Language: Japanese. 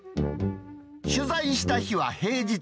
取材した日は平日。